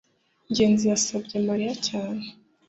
ngenzi yasabye mariya cyane